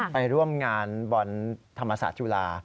ไปร่วมงานบอลธรรมศาสตร์จุฬา